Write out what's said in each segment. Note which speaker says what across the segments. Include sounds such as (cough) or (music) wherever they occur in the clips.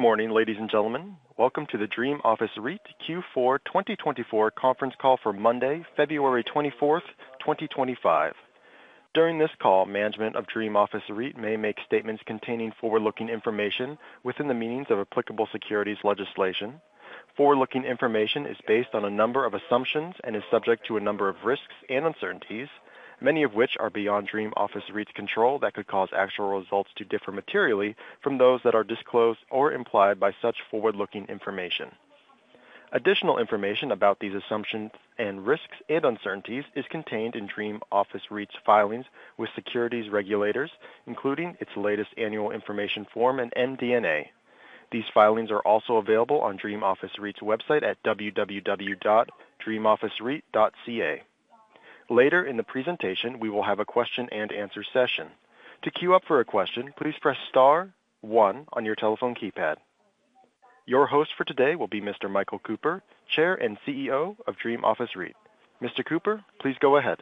Speaker 1: Good morning, ladies and gentlemen. Welcome to the Dream Office REIT Q4 2024 Conference Call for Monday, February 24, 2025. During this call, management of Dream Office REIT may make statements containing forward-looking information within the meanings of applicable securities legislation. Forward-looking information is based on a number of assumptions and is subject to a number of risks and uncertainties, many of which are beyond Dream Office REIT's control that could cause actual results to differ materially from those that are disclosed or implied by such forward-looking information. Additional information about these assumptions and risks and uncertainties is contained in Dream Office REIT's filings with securities regulators, including its latest annual information form and MD&A. These filings are also available on Dream Office REIT's website at www.dreamofficereit.ca. Later, in the presentation, we will have a question and answer session. To queue up for a question, please press star one on your telephone keypad. Your host for today will be Mr. Michael Cooper, Chair and CEO of Dream Office REIT. Mr. Cooper, please go ahead.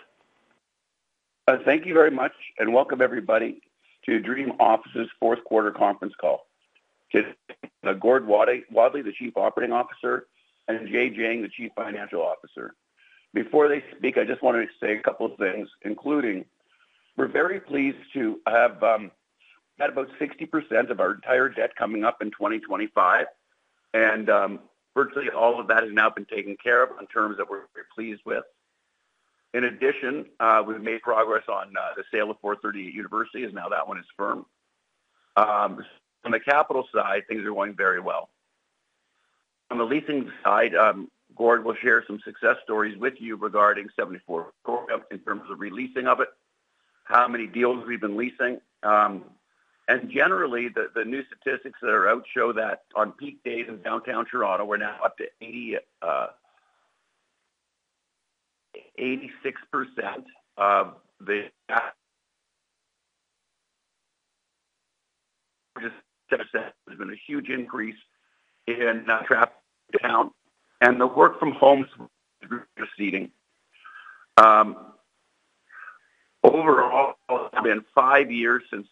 Speaker 2: Thank you very much, and welcome everybody to Dream Office's Q4 Conference Call. Today, Gordon Wadley, the Chief Operating Officer, and Jay Jiang, the Chief Financial Officer. Before they speak, I just want to say a couple of things, including we're very pleased to have about 60% of our entire debt coming up in 2025, and virtually all of that has now been taken care of in terms that we're very pleased with. In addition, we've made progress on the sale of 438 University, as now that one is firm. On the capital side, things are going very well. On the leasing side, Gordon will share some success stories with you regarding 74 Victoria in terms of re-leasing of it, how many deals we've been leasing, and generally, the new statistics that are out show that on peak days in downtown Toronto, we're now up to 86%. Just as I said, there's been a huge increase in traffic count and the work from home's receding. Overall, it's been five years since.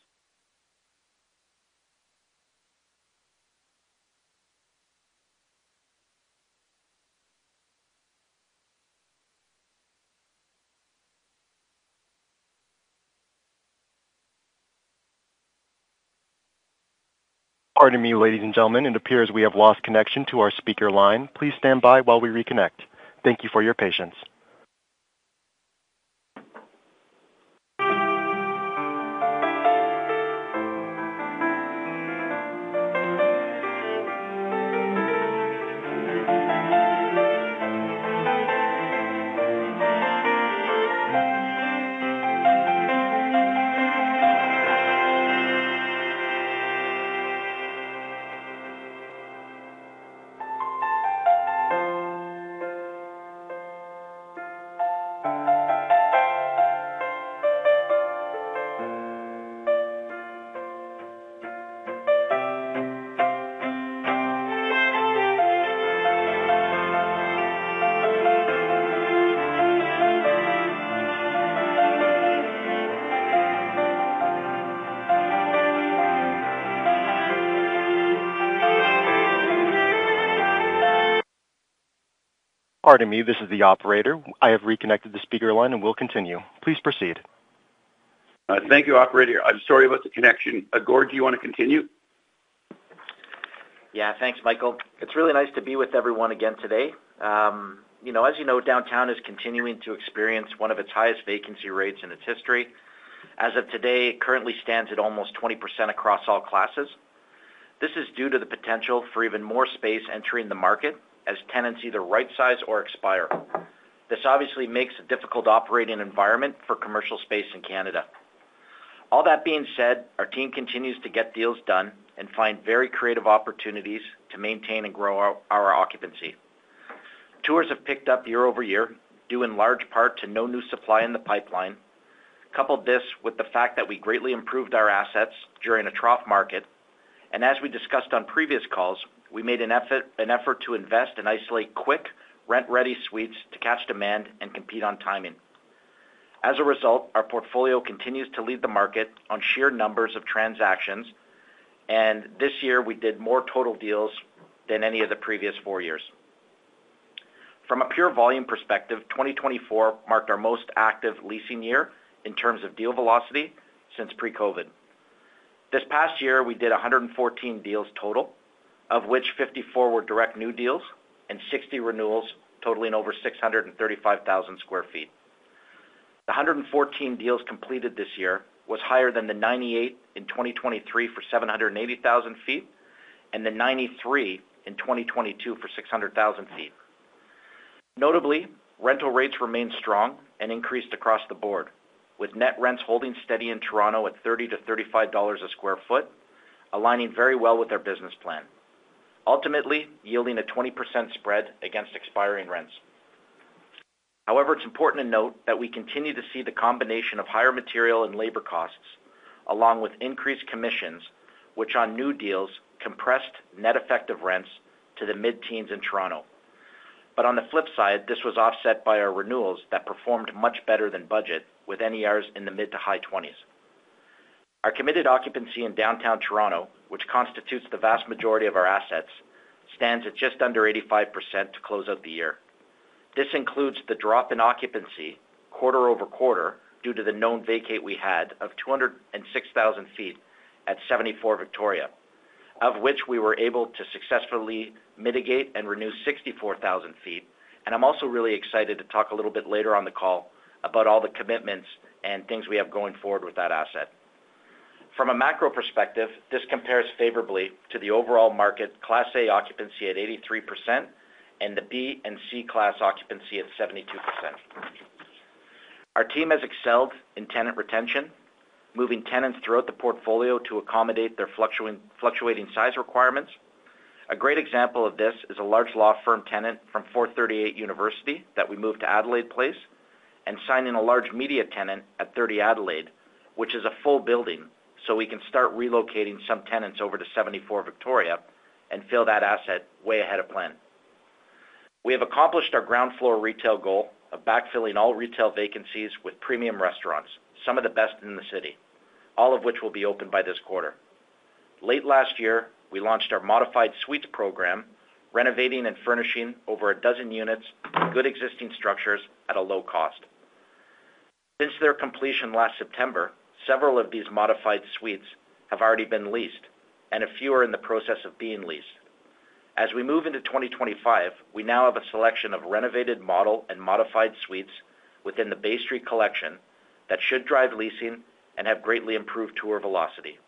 Speaker 2: (audio distortion)
Speaker 1: Pardon me, ladies and gentlemen. It appears we have lost connection to our speaker line. Please stand by while we reconnect. Thank you for your patience. Pardon me, this is the operator. I have reconnected the speaker line and will continue. Please proceed.
Speaker 2: Thank you, operator. I'm sorry about the connection. Gordon, do you want to continue?
Speaker 3: Yeah, thanks, Michael. It's really nice to be with everyone again today. As you know, downtown is continuing to experience one of its highest vacancy rates in its history. As of today, it currently stands at almost 20% across all classes. This is due to the potential for even more space entering the market as tenants either right-size or expire. This obviously makes a difficult operating environment for commercial space in Canada. All that being said, our team continues to get deals done and find very creative opportunities to maintain and grow our occupancy. Tours have picked up year over year, due in large part to no new supply in the pipeline. Couple this with the fact that we greatly improved our assets during a trough market. As we discussed on previous calls, we made an effort to invest and isolate quick, rent-ready suites to catch demand and compete on timing. As a result, our portfolio continues to lead the market on sheer numbers of transactions, and this year, we did more total deals than any of the previous four years. From a pure volume perspective, 2024 marked our most active leasing year in terms of deal velocity since pre-COVID. This past year, we did 114 deals total, of which 54 were direct new deals and 60 renewals, totaling over 635,000 sq ft. The 114 deals completed this year was higher than the 98 in 2023 for 780,000 sq ft and the 93 in 2022 for 600,000 sq ft. Notably, rental rates remained strong and increased across the board, with net rents holding steady in Toronto at 30–35 dollars a sq ft, aligning very well with our business plan, ultimately yielding a 20% spread against expiring rents. However, it's important to note that we continue to see the combination of higher material and labor costs, along with increased commissions, which on new deals compressed net effective rents to the mid-teens in Toronto. This was offset by our renewals that performed much better than budget, with NERs in the mid to high 20s. Our committed occupancy in downtown Toronto, which constitutes the vast majority of our assets, stands at just under 85% to close out the year. This includes the drop in occupancy quarter over quarter due to the known vacate we had of 206,000 sq ft at 74 Victoria, of which we were able to successfully mitigate and renew 64,000 sq ft. I am also really excited to talk a little bit later on the call about all the commitments and things we have going forward with that asset. From a macro perspective, this compares favorably to the overall market Class A occupancy at 83% and the B and C Class occupancy at 72%. Our team has excelled in tenant retention, moving tenants throughout the portfolio to accommodate their fluctuating size requirements. A great example of this is a large law firm tenant from 438 University that we moved to Adelaide Place and signing a large media tenant at 30 Adelaide, which is a full building, so we can start relocating some tenants over to 74 Victoria and fill that asset way ahead of plan. We have accomplished our ground floor retail goal of backfilling all retail vacancies with premium restaurants, some of the best in the city, all of which will be opened by this quarter. Late last year, we launched our modified suites program, renovating and furnishing over a dozen units in good existing structures at a low cost. Since their completion last September, several of these modified suites have already been leased, and a few are in the process of being leased. As we move into 2025, we now have a selection of renovated model and modified suites within the Bay Street Collection that should drive leasing and have greatly improved tour velocity.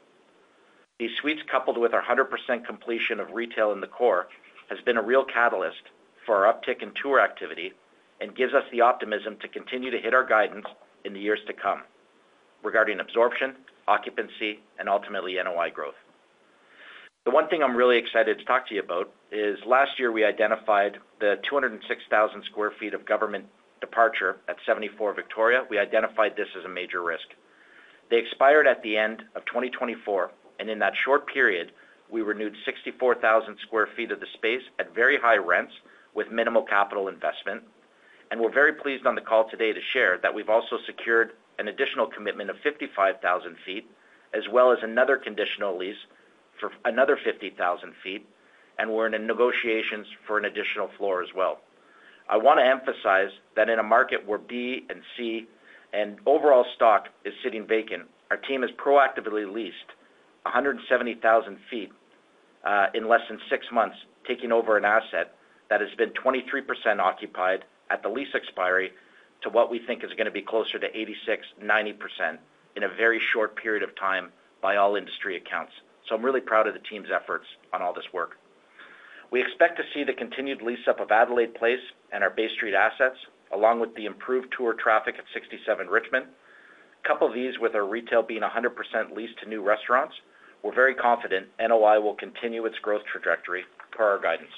Speaker 3: These suites, coupled with our 100% completion of retail in the core, have been a real catalyst for our uptick in tour activity and give us the optimism to continue to hit our guidance in the years to come regarding absorption, occupancy, and ultimately NOI growth. The one thing I'm really excited to talk to you about is last year we identified the 206,000 sq ft of government departure at 74 Victoria. We identified this as a major risk. They expired at the end of 2024, and in that short period, we renewed 64,000 sq ft of the space at very high rents with minimal capital investment. We are very pleased on the call today to share that we have also secured an additional commitment of 55,000 sq ft, as well as another conditional lease for another 50,000 sq ft, and we are in negotiations for an additional floor as well. I want to emphasize that in a market where B and C and overall stock is sitting vacant, our team has proactively leased 170,000 sq ft in less than six months, taking over an asset that has been 23% occupied at the lease expiry to what we think is going to be closer to 86-90% in a very short period of time by all industry accounts. I am really proud of the team's efforts on all this work. We expect to see the continued lease-up of Adelaide Place and our Bay Street assets, along with the improved tour traffic at 67 Richmond. Couple these with our retail being 100% leased to new restaurants. We're very confident NOI will continue its growth trajectory per our guidance.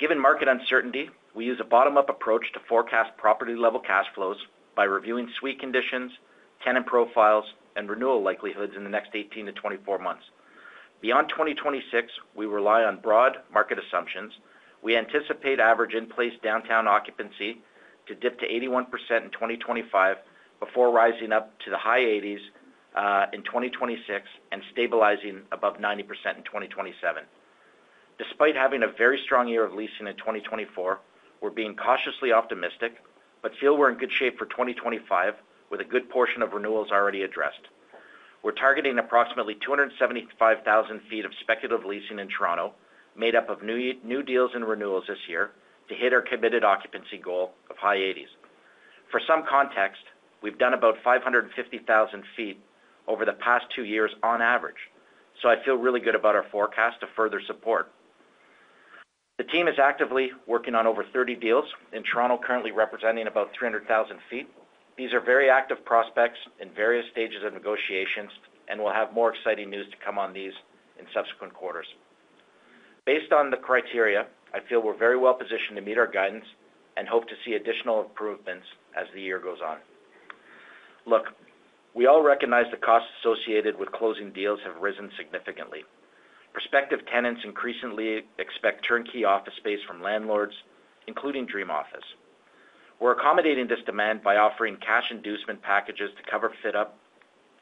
Speaker 3: Given market uncertainty, we use a bottom-up approach to forecast property-level cash flows by reviewing suite conditions, tenant profiles, and renewal likelihoods in the next 18 to 24 months. Beyond 2026, we rely on broad market assumptions. We anticipate average in-place downtown occupancy to dip to 81% in 2025 before rising up to the high 80s in 2026 and stabilizing above 90% in 2027. Despite having a very strong year of leasing in 2024, we're being cautiously optimistic, but feel we're in good shape for 2025 with a good portion of renewals already addressed. We're targeting approximately 275,000 sq ft of speculative leasing in Toronto, made up of new deals and renewals this year to hit our committed occupancy goal of high 80s. For some context, we've done about 550,000 sq ft over the past two years on average, so I feel really good about our forecast to further support. The team is actively working on over 30 deals in Toronto, currently representing about 300,000 sq ft. These are very active prospects in various stages of negotiations, and we'll have more exciting news to come on these in subsequent quarters. Based on the criteria, I feel we're very well positioned to meet our guidance and hope to see additional improvements as the year goes on. Look, we all recognize the costs associated with closing deals have risen significantly. Prospective tenants increasingly expect turnkey office space from landlords, including Dream Office. We're accommodating this demand by offering cash inducement packages to cover fit-up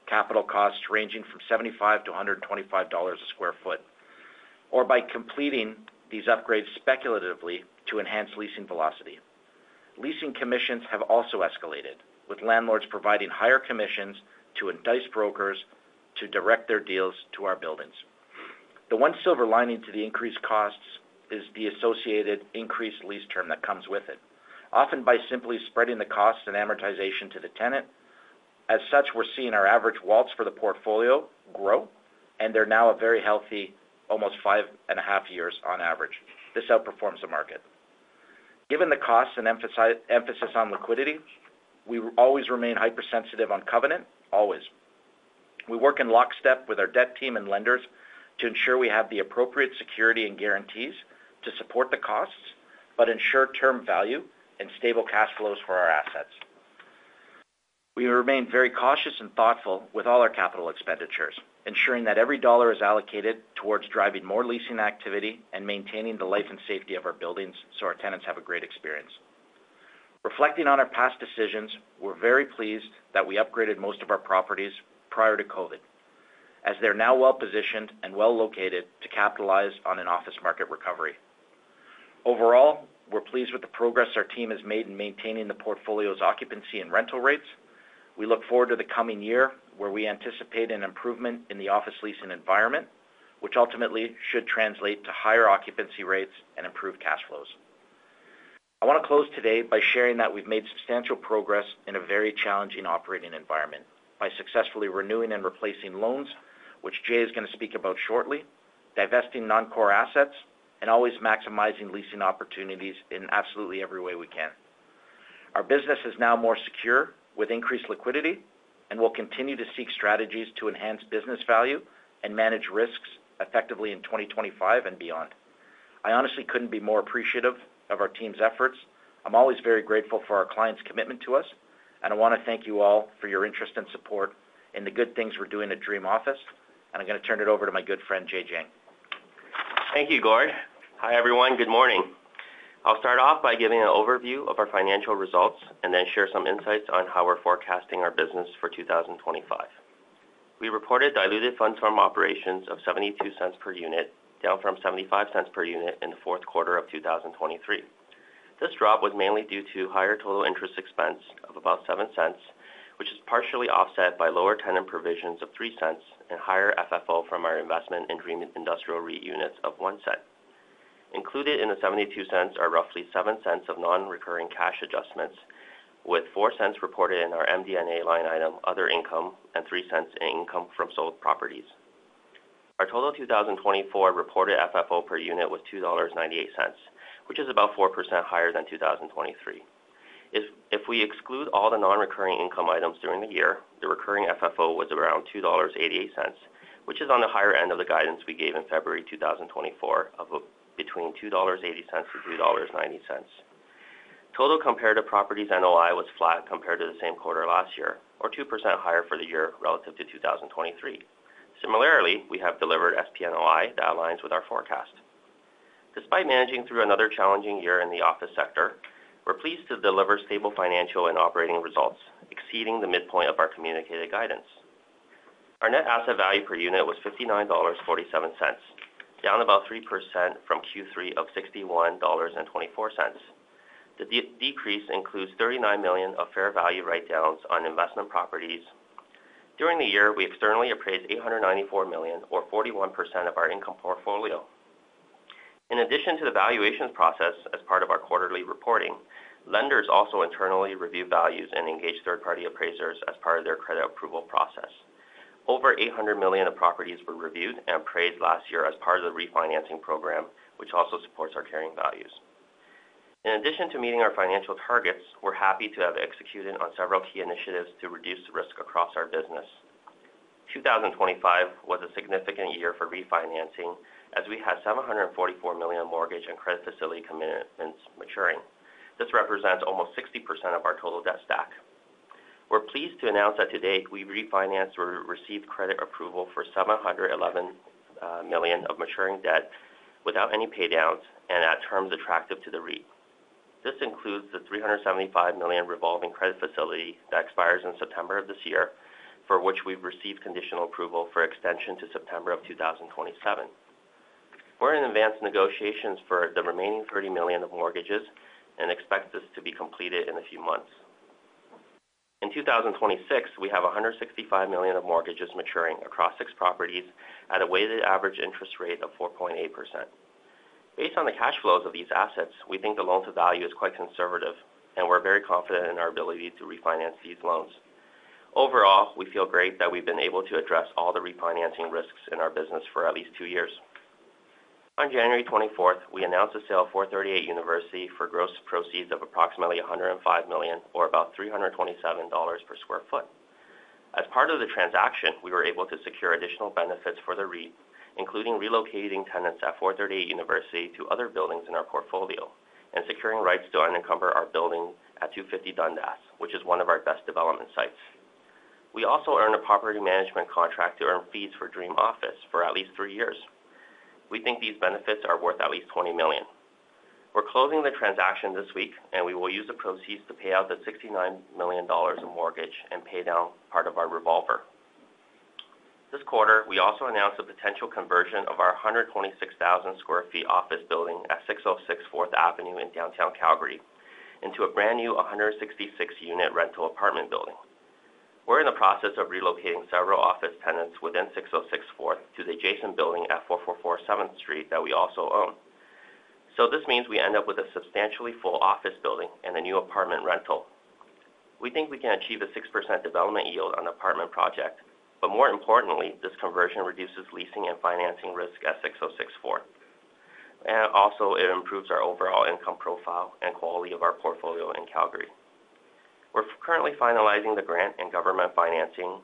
Speaker 3: capital costs ranging from 75-125 dollars a sq ft, or by completing these upgrades speculatively to enhance leasing velocity. Leasing commissions have also escalated, with landlords providing higher commissions to entice brokers to direct their deals to our buildings. The one silver lining to the increased costs is the associated increased lease term that comes with it, often by simply spreading the costs and amortization to the tenant. As such, we're seeing our average WALE for the portfolio grow, and they're now a very healthy almost five and a half years on average. This outperforms the market. Given the costs and emphasis on liquidity, we always remain hypersensitive on covenant, always. We work in lockstep with our debt team and lenders to ensure we have the appropriate security and guarantees to support the costs, but ensure term value and stable cash flows for our assets. We remain very cautious and thoughtful with all our capital expenditures, ensuring that every dollar is allocated towards driving more leasing activity and maintaining the life and safety of our buildings so our tenants have a great experience. Reflecting on our past decisions, we're very pleased that we upgraded most of our properties prior to COVID, as they're now well-positioned and well-located to capitalize on an office market recovery. Overall, we're pleased with the progress our team has made in maintaining the portfolio's occupancy and rental rates. We look forward to the coming year, where we anticipate an improvement in the office leasing environment, which ultimately should translate to higher occupancy rates and improved cash flows. I want to close today by sharing that we've made substantial progress in a very challenging operating environment by successfully renewing and replacing loans, which Jay is going to speak about shortly, divesting non-core assets, and always maximizing leasing opportunities in absolutely every way we can. Our business is now more secure with increased liquidity, and we will continue to seek strategies to enhance business value and manage risks effectively in 2025 and beyond. I honestly could not be more appreciative of our team's efforts. I am always very grateful for our clients' commitment to us, and I want to thank you all for your interest and support in the good things we are doing at Dream Office REIT. I am going to turn it over to my good friend, Jay Jiang.
Speaker 4: Thank you, Gordon. Hi, everyone. Good morning. I'll start off by giving an overview of our financial results and then share some insights on how we're forecasting our business for 2025. We reported diluted funds from operations of 0.72 per unit, down from 0.75 per unit in the Q4 of 2023. This drop was mainly due to higher total interest expense of about 0.07, which is partially offset by lower tenant provisions of 0.03 and higher FFO from our investment in Dream Industrial REIT units of 0.01. Included in the 0.72 are roughly 0.07 of non-recurring cash adjustments, with 0.04 reported in our MD&A line item other income and 0.03 in income from sold properties. Our total 2024 reported FFO per unit was 2.98 dollars, which is about 4% higher than 2023. If we exclude all the non-recurring income items during the year, the recurring FFO was around 2.88 dollars, which is on the higher end of the guidance we gave in February 2024 of between 2.80 dollars and 2.90. Total compared to properties NOI was flat compared to the same quarter last year, or 2% higher for the year relative to 2023. Similarly, we have delivered SP NOI that aligns with our forecast. Despite managing through another challenging year in the office sector, we're pleased to deliver stable financial and operating results exceeding the midpoint of our communicated guidance. Our net asset value per unit was 59.47 dollars, down about 3% from Q3 of 61.24 dollars. The decrease includes 39 million of fair value write-downs on investment properties. During the year, we externally appraised 894 million, or 41% of our income portfolio. In addition to the valuations process as part of our quarterly reporting, lenders also internally review values and engage third-party appraisers as part of their credit approval process. Over 800 million of properties were reviewed and appraised last year as part of the refinancing program, which also supports our carrying values. In addition to meeting our financial targets, we're happy to have executed on several key initiatives to reduce risk across our business. 2025 was a significant year for refinancing, as we had 744 million of mortgage and credit facility commitments maturing. This represents almost 60% of our total debt stack. We're pleased to announce that today we refinanced or received credit approval for 711 million of maturing debt without any paydowns and at terms attractive to the REIT. This includes the 375 million revolving credit facility that expires in September of this year, for which we've received conditional approval for extension to September of 2027. We're in advanced negotiations for the remaining 30 million of mortgages and expect this to be completed in a few months. In 2026, we have 165 million of mortgages maturing across six properties at a weighted average interest rate of 4.8%. Based on the cash flows of these assets, we think the loan-to-value is quite conservative, and we're very confident in our ability to refinance these loans. Overall, we feel great that we've been able to address all the refinancing risks in our business for at least two years. On January 24th, we announced the sale of 438 University for gross proceeds of approximately 105 million, or about 327 dollars per sq ft. As part of the transaction, we were able to secure additional benefits for the REIT, including relocating tenants at 438 University to other buildings in our portfolio and securing rights to unencumber our building at 250 Dundas, which is one of our best development sites. We also earned a property management contract to earn fees for Dream Office for at least three years. We think these benefits are worth at least 20 million. We're closing the transaction this week, and we will use the proceeds to pay out the 69 million dollars of mortgage and pay down part of our revolver. This quarter, we also announced the potential conversion of our 126,000 sq ft office building at 606 Fourth Avenue in downtown Calgary into a brand new 166-unit rental apartment building. We're in the process of relocating several office tenants within 606 Fourth to the adjacent building at 444 Seventh Street that we also own. This means we end up with a substantially full office building and a new apartment rental. We think we can achieve a 6% development yield on the apartment project, but more importantly, this conversion reduces leasing and financing risk at 606 Fourth. Also, it improves our overall income profile and quality of our portfolio in Calgary. We're currently finalizing the grant and government financing.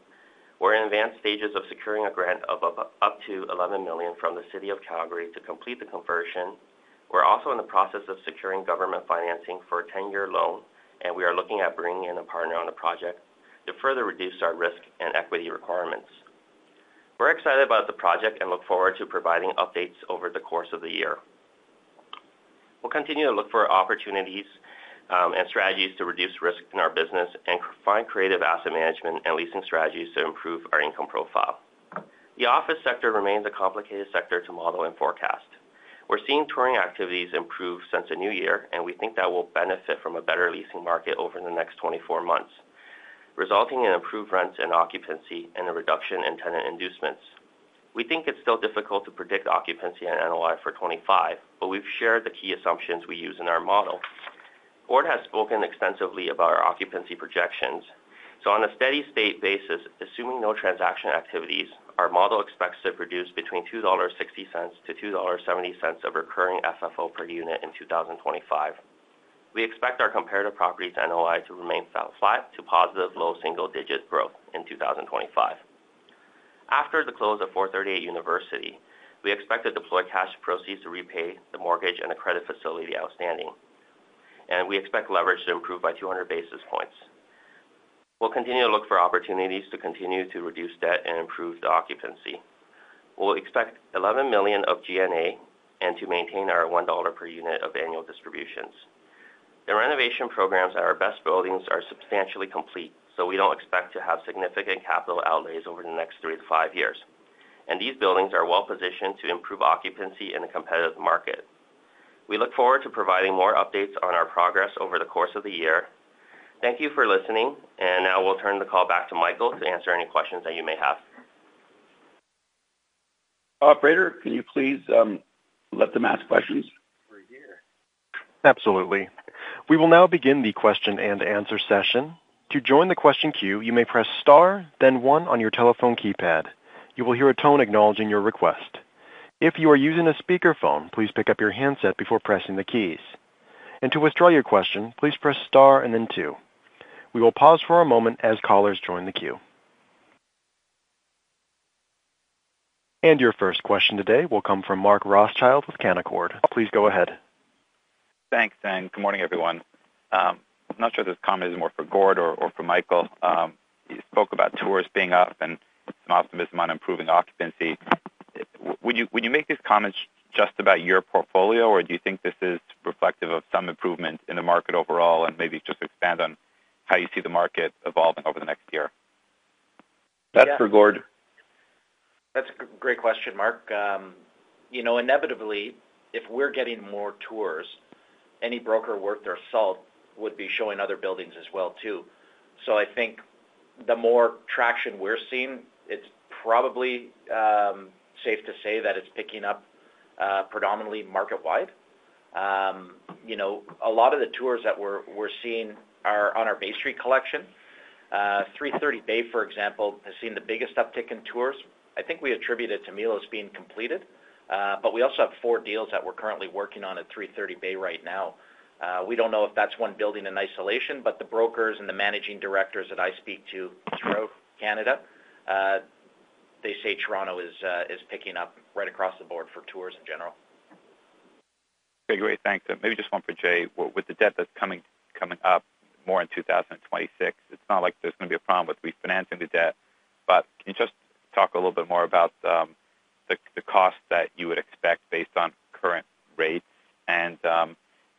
Speaker 4: We're in advanced stages of securing a grant of up to 11 million from the City of Calgary to complete the conversion. We're also in the process of securing government financing for a 10-year loan, and we are looking at bringing in a partner on the project to further reduce our risk and equity requirements. We're excited about the project and look forward to providing updates over the course of the year. We'll continue to look for opportunities and strategies to reduce risk in our business and find creative asset management and leasing strategies to improve our income profile. The office sector remains a complicated sector to model and forecast. We're seeing touring activities improve since the new year, and we think that will benefit from a better leasing market over the next 24 months, resulting in improved rents and occupancy and a reduction in tenant inducements. We think it's still difficult to predict occupancy and NOI for 2025, but we've shared the key assumptions we use in our model. Gordon has spoken extensively about our occupancy projections. On a steady-state basis, assuming no transaction activities, our model expects to produce between 2.60-2.70 dollars of recurring FFO per unit in 2025. We expect our comparative properties NOI to remain flat to positive low single-digit growth in 2025. After the close of 438 University, we expect to deploy cash proceeds to repay the mortgage and the credit facility outstanding, and we expect leverage to improve by 200 basis points. We will continue to look for opportunities to continue to reduce debt and improve the occupancy. We will expect 11 million of G&A and to maintain our 1 dollar per unit of annual distributions. The renovation programs at our best buildings are substantially complete, so we do not expect to have significant capital outlays over the next three to five years. These buildings are well-positioned to improve occupancy in a competitive market. We look forward to providing more updates on our progress over the course of the year. Thank you for listening, and now we'll turn the call back to Michael to answer any questions that you may have.
Speaker 2: Operator, can you please let them ask questions?
Speaker 1: Absolutely. We will now begin the question and answer session. To join the question queue, you may press star, then one on your telephone keypad. You will hear a tone acknowledging your request. If you are using a speakerphone, please pick up your handset before pressing the keys. To withdraw your question, please press star and then two. We will pause for a moment as callers join the queue. Your first question today will come from Mark Rothschild with Canaccord. Please go ahead.
Speaker 5: Thanks, Dan. Good morning, everyone. I'm not sure this comment is more for Gordon or for Michael. You spoke about tours being up and some optimism on improving occupancy. Would you make these comments just about your portfolio, or do you think this is reflective of some improvement in the market overall and maybe just expand on how you see the market evolving over the next year?
Speaker 2: That's for Gordon.
Speaker 3: That's a great question, Mark. Inevitably, if we're getting more tours, any broker worth their salt would be showing other buildings as well, too. I think the more traction we're seeing, it's probably safe to say that it's picking up predominantly market-wide. A lot of the tours that we're seeing are on our Bay Street collection. 330 Bay, for example, has seen the biggest uptick in tours. I think we attribute it to Milos being completed, but we also have four deals that we're currently working on at 330 Bay right now. We don't know if that's one building in isolation, but the brokers and the managing directors that I speak to throughout Canada, they say Toronto is picking up right across the board for tours in general.
Speaker 5: Okay, great. Thanks. Maybe just one for Jay. With the debt that is coming up more in 2026, it is not like there is going to be a problem with refinancing the debt, but can you just talk a little bit more about the cost that you would expect based on current rates?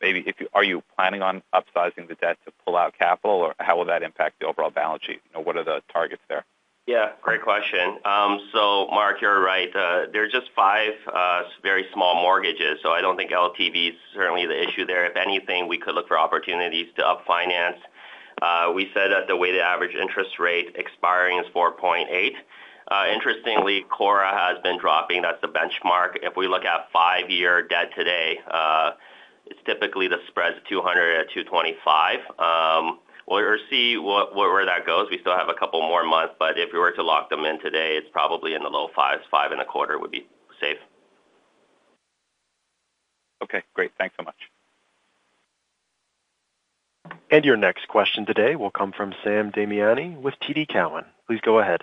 Speaker 5: Maybe are you planning on upsizing the debt to pull out capital, or how will that impact the overall balance sheet? What are the targets there?
Speaker 4: Yeah, great question. Mark, you're right. There are just five very small mortgages, so I don't think LTV is certainly the issue there. If anything, we could look for opportunities to up-finance. We said that the weighted average interest rate expiring is 4.8%. Interestingly, CORRA has been dropping. That's the benchmark. If we look at five-year debt today, typically the spread is 200-225 basis points. We'll see where that goes. We still have a couple more months, but if we were to lock them in today, it's probably in the low fives. Five and a quarter would be safe.
Speaker 5: Okay, great. Thanks so much.
Speaker 1: Your next question today will come from Sam Damiani with TD Cowen. Please go ahead.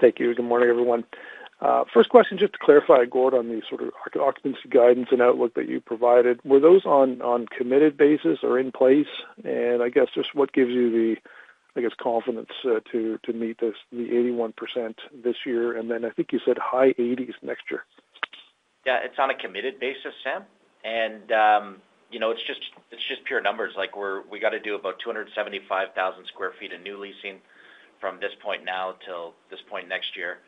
Speaker 6: Thank you. Good morning, everyone. First question, just to clarify, Gordon, on the sort of occupancy guidance and outlook that you provided, were those on committed basis or in place? I guess just what gives you the, I guess, confidence to meet the 81% this year? I think you said high 80s next year.
Speaker 3: Yeah, it's on a committed basis, Sam. And it's just pure numbers. We got to do about 275,000 sq ft of new leasing from this point now till this point next year.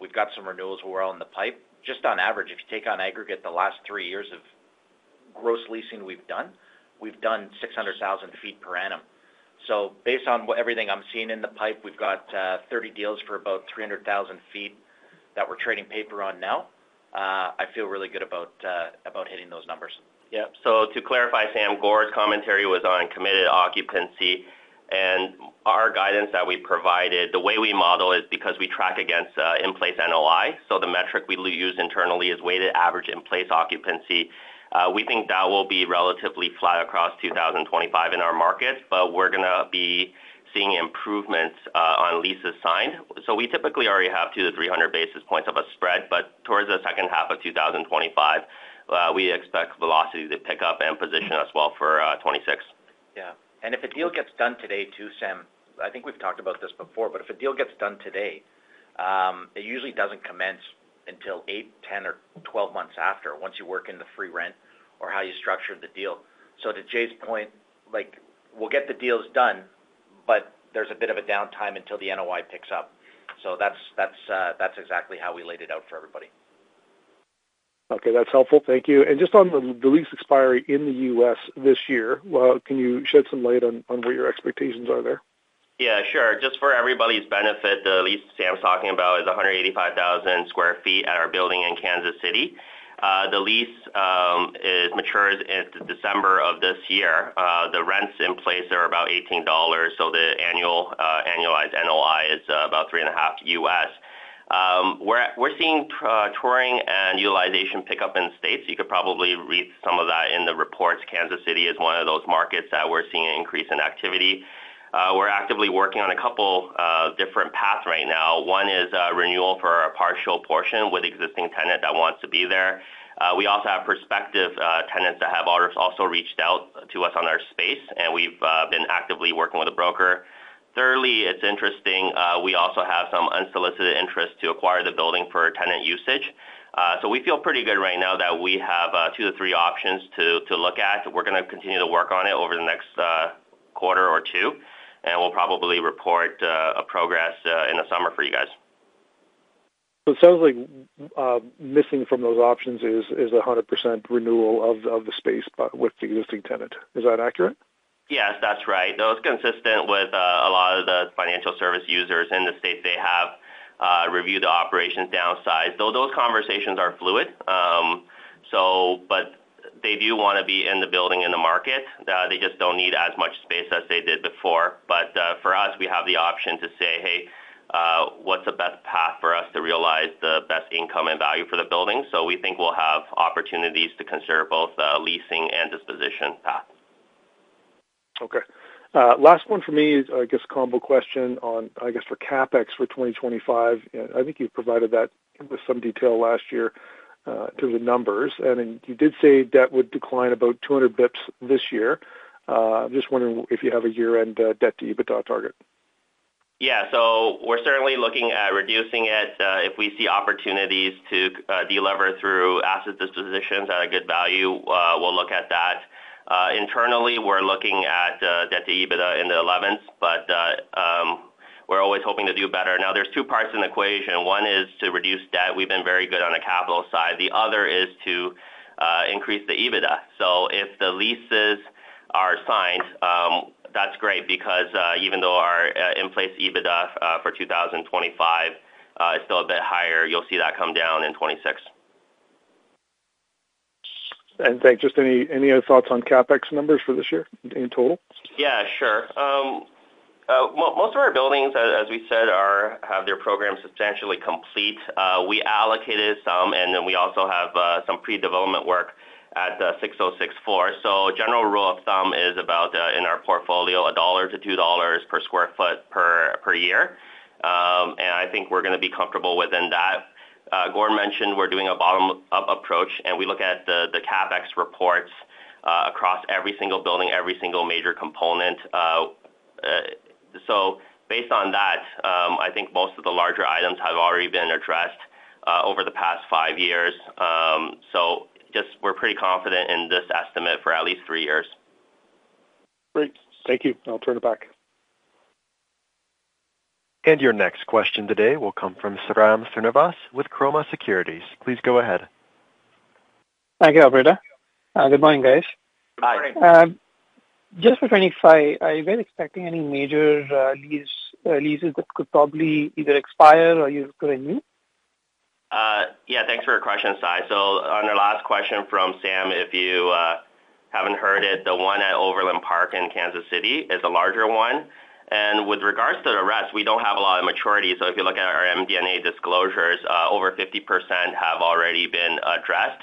Speaker 3: We've got some renewals where we're on the pipe. Just on average, if you take on aggregate the last three years of gross leasing we've done, we've done 600,000 sq ft per annum. Based on everything I'm seeing in the pipe, we've got 30 deals for about 300,000 sq ft that we're trading paper on now. I feel really good about hitting those numbers.
Speaker 4: Yeah. To clarify, Sam, Gordon's commentary was on committed occupancy. Our guidance that we provided, the way we model it, because we track against in-place NOI, so the metric we use internally is weighted average in-place occupancy, we think that will be relatively flat across 2025 in our market, but we're going to be seeing improvements on leases signed. We typically already have 200-300 basis points of a spread, but towards the second half of 2025, we expect velocity to pick up and position us well for 2026.
Speaker 3: Yeah. If a deal gets done today too, Sam, I think we've talked about this before, but if a deal gets done today, it usually does not commence until eight, 10, or 12 months after, once you work in the free rent or how you structure the deal. So the Jay's point, we'll get the deals done, but there's a bit of a downtime until the NOI picks up. That's exactly how we laid it out for everybody.
Speaker 6: Okay, that's helpful. Thank you. Just on the lease expiry in the U.S. this year, can you shed some light on what your expectations are there?
Speaker 4: Yeah, sure. Just for everybody's benefit, the lease Sam's talking about is 185,000 sq ft at our building in Kansas City. The lease matures in December of this year. The rents in place are about $18, so the annualized NOI is about $3.5 million US. We're seeing touring and utilization pick up in states. You could probably read some of that in the reports. Kansas City is one of those markets that we're seeing an increase in activity. We're actively working on a couple different paths right now. One is renewal for a partial portion with existing tenant that wants to be there. We also have prospective tenants that have also reached out to us on our space, and we've been actively working with a broker. Thirdly, it's interesting, we also have some unsolicited interest to acquire the building for tenant usage. We feel pretty good right now that we have two to three options to look at. We're going to continue to work on it over the next quarter or two, and we'll probably report progress in the summer for you guys.
Speaker 6: It sounds like missing from those options is 100% renewal of the space with the existing tenant. Is that accurate?
Speaker 4: Yes, that's right. That was consistent with a lot of the financial service users in the States. They have reviewed the operations downside. Those conversations are fluid, but they do want to be in the building in the market. They just do not need as much space as they did before. For us, we have the option to say, "Hey, what's the best path for us to realize the best income and value for the building?" We think we'll have opportunities to consider both leasing and disposition path.
Speaker 6: Okay. Last one for me is, I guess, combo question on, I guess, for CapEx for 2025. I think you've provided that with some detail last year in terms of numbers. And you did say debt would decline about 200 basis points this year. I'm just wondering if you have a year-end debt to EBITDA target.
Speaker 4: Yeah. We are certainly looking at reducing it. If we see opportunities to deleverage through asset dispositions at a good value, we will look at that. Internally, we are looking at debt to EBITDA in the 11s, but we are always hoping to do better. Now, there are two parts in the equation. One is to reduce debt. We have been very good on the capital side. The other is to increase the EBITDA. If the leases are signed, that is great because even though our in-place EBITDA for 2025 is still a bit higher, you will see that come down in 2026.
Speaker 6: Thanks. Just any other thoughts on CapEx numbers for this year in total?
Speaker 4: Yeah, sure. Most of our buildings, as we said, have their programs substantially complete. We allocated some, and then we also have some pre-development work at the 606 Fourth. General rule of thumb is about, in our portfolio, 1-2 dollars per sq ft per year. I think we're going to be comfortable within that. Gordon mentioned we're doing a bottom-up approach, and we look at the CapEx reports across every single building, every single major component. Based on that, I think most of the larger items have already been addressed over the past five years. We're pretty confident in this estimate for at least three years.
Speaker 6: Great. Thank you. I'll turn it back.
Speaker 1: Your next question today will come from Sairam Srinivas with Cormark Securities. Please go ahead.
Speaker 7: Thank you, Alberto. Good morning, guys.
Speaker 4: Hi.
Speaker 7: Just for clarification’s sake, are you guys expecting any major leases that could probably either expire or you could renew?
Speaker 4: Yeah, thanks for your question, Sai. On the last question from Sam, if you have not heard it, the one at Overland Park in Kansas City is a larger one. With regards to the rest, we do not have a lot of maturity. If you look at our MD&A disclosures, over 50% have already been addressed.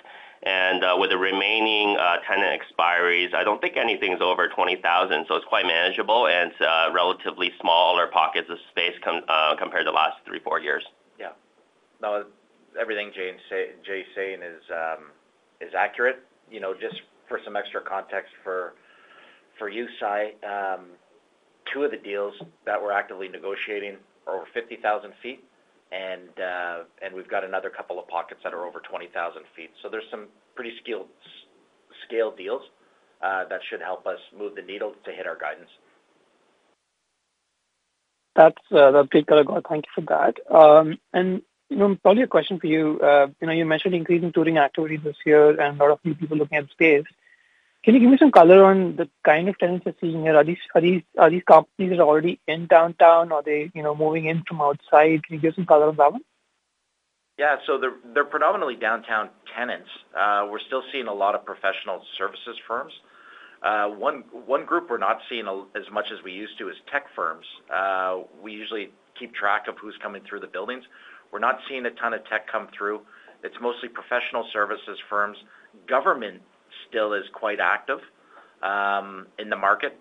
Speaker 4: With the remaining tenant expiries, I do not think anything is over 20,000, so it is quite manageable and relatively smaller pockets of space compared to the last three or four years.
Speaker 3: Yeah. No, everything Jay is saying is accurate. Just for some extra context for you, Sai, two of the deals that we are actively negotiating are over 50,000 feet, and we have got another couple of pockets that are over 20,000 feet. There are some pretty scaled deals that should help us move the needle to hit our guidance.
Speaker 7: That's pretty clear, Gordon. Thank you for that. Probably a question for you. You mentioned increasing touring activity this year and a lot of new people looking at the space. Can you give me some color on the kind of tenants you're seeing here? Are these companies that are already in downtown? Are they moving in from outside? Can you give some color on that one?
Speaker 4: Yeah. They are predominantly downtown tenants. We are still seeing a lot of professional services firms. One group we are not seeing as much as we used to is tech firms. We usually keep track of who is coming through the buildings. We are not seeing a ton of tech come through. It is mostly professional services firms. Government still is quite active in the market,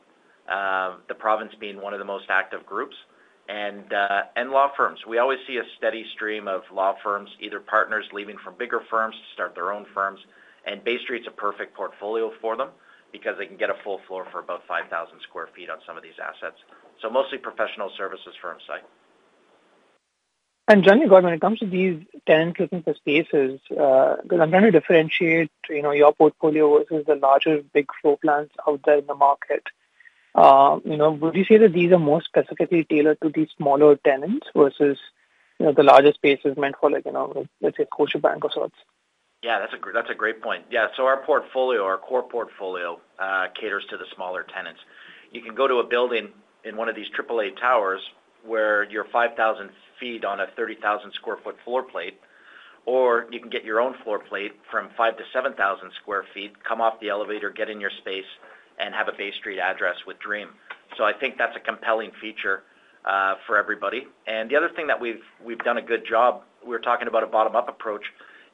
Speaker 4: the province being one of the most active groups, and law firms. We always see a steady stream of law firms, either partners leaving from bigger firms to start their own firms. Bay Street is a perfect portfolio for them because they can get a full floor for about 5,000 sq ft on some of these assets. Mostly professional services firms, Sai.
Speaker 7: Jay, when it comes to these tenants looking for spaces, because I'm trying to differentiate your portfolio versus the larger big floor plans out there in the market, would you say that these are more specifically tailored to these smaller tenants versus the larger spaces meant for, let's say, Scotiabank of sorts?
Speaker 4: Yeah, that's a great point. Yeah. Our portfolio, our core portfolio, caters to the smaller tenants. You can go to a building in one of these triple-A towers where you're 5,000 sq ft on a 30,000 sq ft floor plate, or you can get your own floor plate from 5,000-7,000 sq ft, come off the elevator, get in your space, and have a Bay Street address with Dream. I think that's a compelling feature for everybody. The other thing that we've done a good job, we were talking about a bottom-up approach,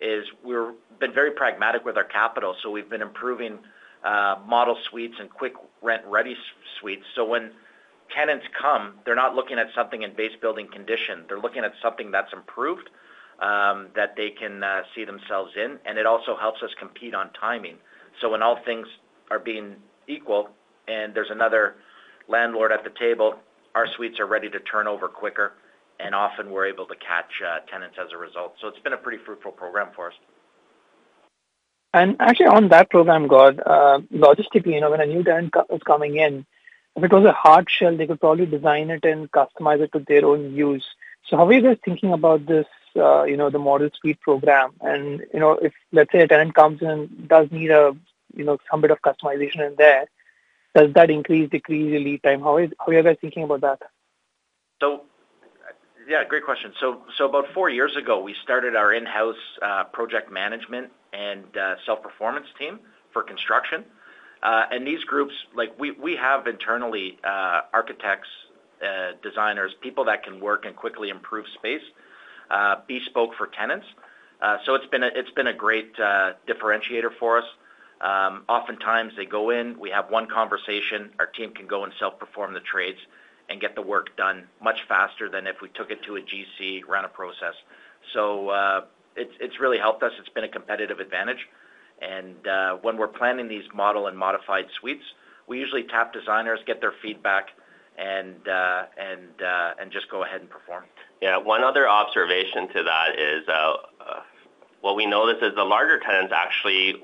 Speaker 4: is we've been very pragmatic with our capital. We've been improving model suites and quick rent-ready suites. When tenants come, they're not looking at something in base building condition. They're looking at something that's improved that they can see themselves in. It also helps us compete on timing. When all things are being equal and there's another landlord at the table, our suites are ready to turn over quicker, and often we're able to catch tenants as a result. It's been a pretty fruitful program for us.
Speaker 7: Actually, on that program, Gordon, logistically, when a new tenant was coming in, if it was a hard shell, they could probably design it and customize it to their own use. How are you guys thinking about this, the model suite program? If, let's say, a tenant comes in and does need some bit of customization in there, does that increase, decrease the lead time? How are you guys thinking about that?
Speaker 3: Yeah, great question. About four years ago, we started our in-house project management and self-performance team for construction. These groups, we have internally architects, designers, people that can work and quickly improve space, bespoke for tenants. It's been a great differentiator for us. Oftentimes, they go in, we have one conversation, our team can go and self-perform the trades and get the work done much faster than if we took it to a GC, ran a process. It's really helped us. It's been a competitive advantage. When we're planning these model and modified suites, we usually tap designers, get their feedback, and just go ahead and perform.
Speaker 4: Yeah. One other observation to that is, actually, we know the larger tenants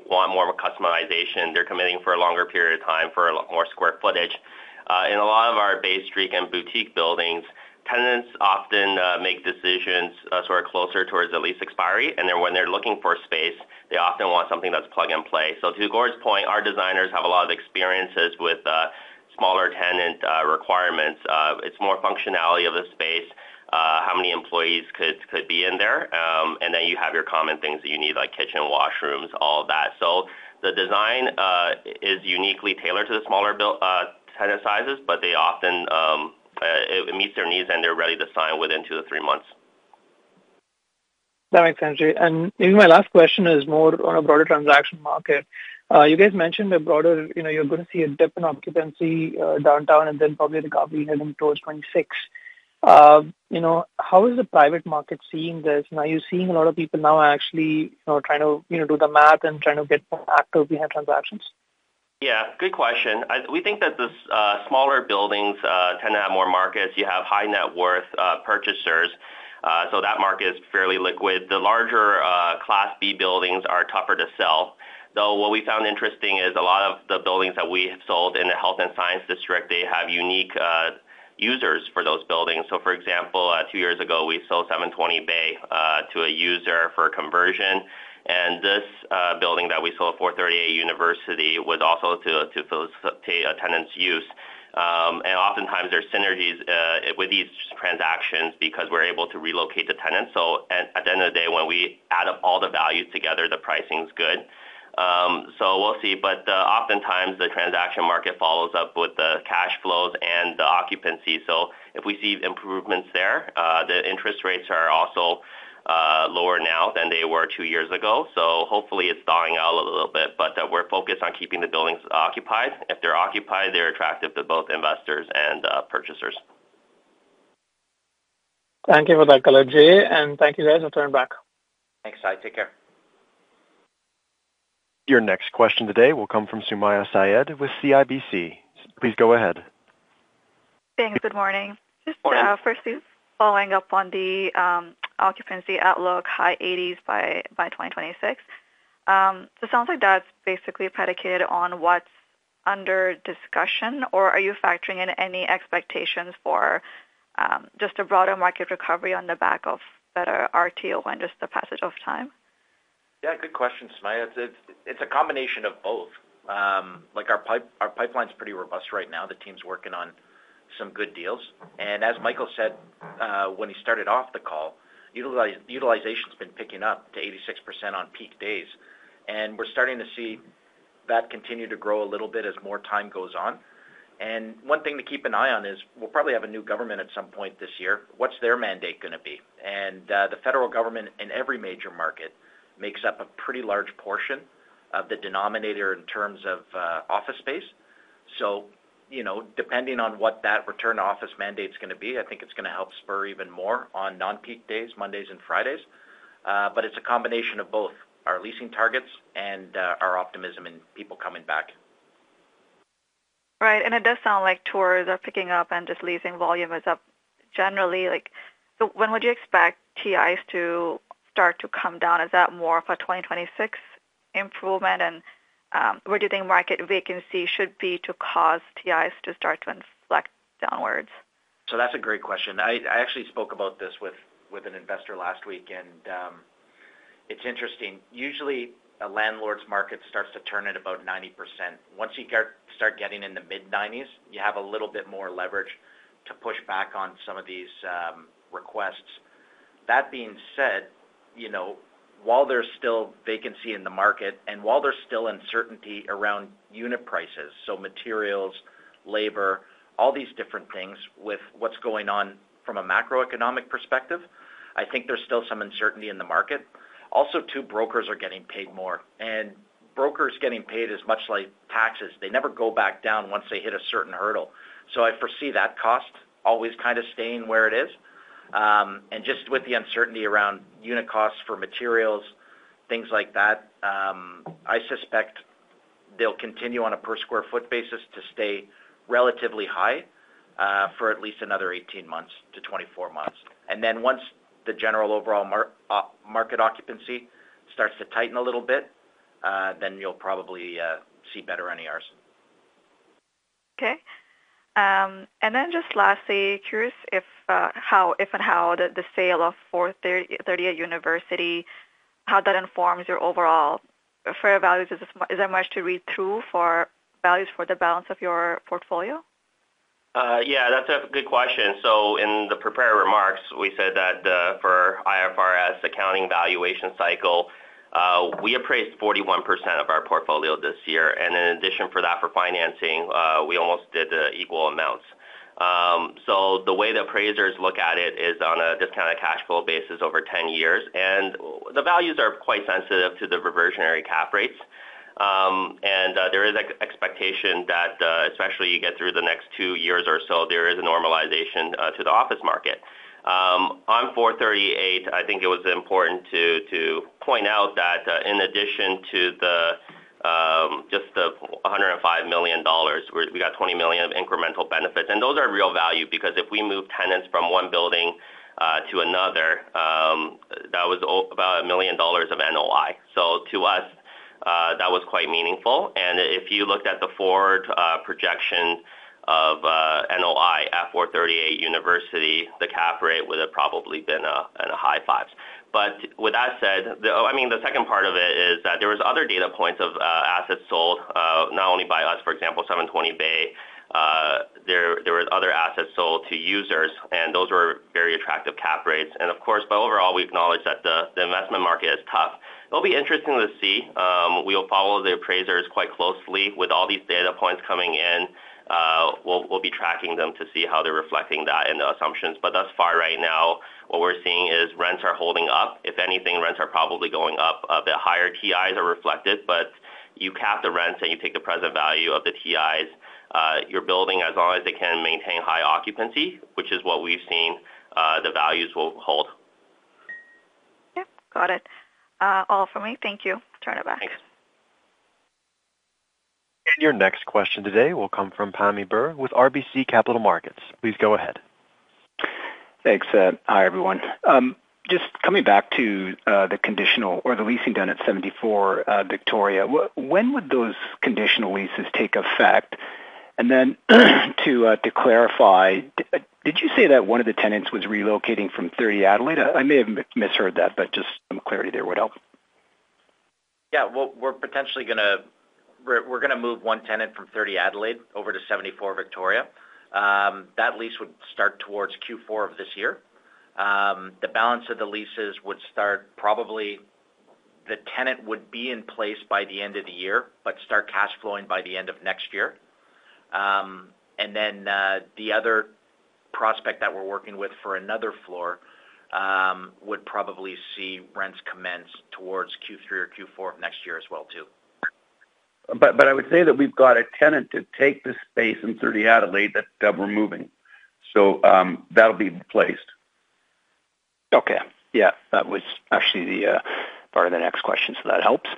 Speaker 4: want more of a customization. They're committing for a longer period of time for more square footage. In a lot of our Bay Street and boutique buildings, tenants often make decisions sort of closer towards the lease expiry. When they're looking for space, they often want something that's plug and play. To Gordon's point, our designers have a lot of experiences with smaller tenant requirements. It's more functionality of the space, how many employees could be in there. You have your common things that you need, like kitchen and washrooms, all of that. The design is uniquely tailored to the smaller tenant sizes, but it meets their needs, and they're ready to sign within two to three months.
Speaker 7: That makes sense, Jay. Maybe my last question is more on a broader transaction market. You guys mentioned a broader you're going to see a dip in occupancy downtown, and then probably recovery heading towards 2026. How is the private market seeing this? Now, you're seeing a lot of people now actually trying to do the math and trying to get more active behind transactions.
Speaker 4: Yeah. Good question. We think that the smaller buildings tend to have more markets. You have high-net-worth purchasers, so that market is fairly liquid. The larger Class B buildings are tougher to sell. What we found interesting is a lot of the buildings that we have sold in the Health and Science District, they have unique users for those buildings. For example, two years ago, we sold 720 Bay to a user for conversion. This building that we sold, 438 University, was also to facilitate a tenant's use. Oftentimes, there are synergies with these transactions because we're able to relocate the tenants. At the end of the day, when we add up all the value together, the pricing's good. We'll see. Oftentimes, the transaction market follows up with the cash flows and the occupancy. If we see improvements there, the interest rates are also lower now than they were two years ago. Hopefully, it's thawing out a little bit, but we're focused on keeping the buildings occupied. If they're occupied, they're attractive to both investors and purchasers.
Speaker 7: Thank you for that colour Jay. Thank you guys for turning back.
Speaker 4: Thanks, Sai. Take care.
Speaker 1: Your next question today will come from Sumayya Syed with CIBC. Please go ahead.
Speaker 8: Thanks. Good morning. Just firstly, following up on the occupancy outlook, high 80s by 2026. It sounds like that's basically predicated on what's under discussion, or are you factoring in any expectations for just a broader market recovery on the back of better RTO and just the passage of time?
Speaker 3: Yeah. Good question, Sumayya. It's a combination of both. Our pipeline's pretty robust right now. The team's working on some good deals. As Michael said when he started off the call, utilization's been picking up to 86% on peak days. We're starting to see that continue to grow a little bit as more time goes on. One thing to keep an eye on is we'll probably have a new government at some point this year. What's their mandate going to be? The federal government in every major market makes up a pretty large portion of the denominator in terms of office space. Depending on what that return to office mandate's going to be, I think it's going to help spur even more on non-peak days, Mondays and Fridays. It's a combination of both our leasing targets and our optimism in people coming back.
Speaker 8: Right. It does sound like tours are picking up and just leasing volume is up generally. When would you expect TIs to start to come down? Is that more of a 2026 improvement? Where do you think market vacancy should be to cause TIs to start to inflect downwards?
Speaker 3: That's a great question. I actually spoke about this with an investor last week, and it's interesting. Usually, a landlord's market starts to turn at about 90%. Once you start getting in the mid-90s, you have a little bit more leverage to push back on some of these requests. That being said, while there's still vacancy in the market and while there's still uncertainty around unit prices, so materials, labor, all these different things with what's going on from a macroeconomic perspective, I think there's still some uncertainty in the market. Also, two brokers are getting paid more. And brokers getting paid is much like taxes. They never go back down once they hit a certain hurdle. I foresee that cost always kind of staying where it is. With the uncertainty around unit costs for materials, things like that, I suspect they'll continue on a per square foot basis to stay relatively high for at least another 18-24 months. Once the general overall market occupancy starts to tighten a little bit, you'll probably see better NERs.
Speaker 8: Okay. Lastly, curious if and how the sale of 438 University, how that informs your overall fair values. Is there much to read through for values for the balance of your portfolio?
Speaker 4: Yeah. That's a good question. In the prepared remarks, we said that for IFRS accounting valuation cycle, we appraised 41% of our portfolio this year. In addition to that, for financing, we almost did equal amounts. The way that appraisers look at it is on a discounted cash flow basis over 10 years. The values are quite sensitive to the reversionary cap rates. There is an expectation that especially as you get through the next two years or so, there is a normalization to the office market. On 438, I think it was important to point out that in addition to just the 105 million dollars, we got 20 million of incremental benefits. Those are real value because if we move tenants from one building to another, that was about 1 million dollars of NOI. To us, that was quite meaningful. If you looked at the forward projection of NOI at 438 University, the cap rate would have probably been in the high fives. With that said, I mean, the second part of it is that there were other data points of assets sold, not only by us, for example, 720 Bay. There were other assets sold to users, and those were very attractive cap rates. Of course, overall, we acknowledge that the investment market is tough. It will be interesting to see. We will follow the appraisers quite closely with all these data points coming in. We will be tracking them to see how they are reflecting that in the assumptions. Thus far right now, what we are seeing is rents are holding up. If anything, rents are probably going up a bit higher. TIs are reflected, but you cap the rents and you take the present value of the TIs. Your building, as long as they can maintain high occupancy, which is what we've seen, the values will hold.
Speaker 8: Yeah. Got it. All from me. Thank you. Turn it back.
Speaker 4: Thanks.
Speaker 1: Your next question today will come from Pammi Bir with RBC Capital Markets. Please go ahead.
Speaker 9: Thanks. Hi, everyone. Just coming back to the conditional or the leasing done at 74 Victoria, when would those conditional leases take effect? To clarify, did you say that one of the tenants was relocating from 30 Adelaide? I may have misheard that, but just some clarity there would help.
Speaker 3: Yeah. We're potentially going to move one tenant from 30 Adelaide over to 74 Victoria. That lease would start towards Q4 of this year. The balance of the leases would start, probably the tenant would be in place by the end of the year, but start cash flowing by the end of next year. The other prospect that we're working with for another floor would probably see rents commence towards Q3 or Q4 of next year as well too.
Speaker 2: I would say that we've got a tenant to take the space in 30 Adelaide that we're moving, so that'll be placed.
Speaker 9: Okay. Yeah. That was actually the part of the next question, so that helps.